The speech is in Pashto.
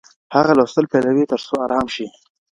هغه لوستل پیلوي ترڅو ارام شي.